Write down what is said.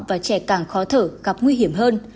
và trẻ càng khó thở gặp nguy hiểm hơn